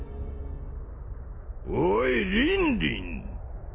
おいリンリン！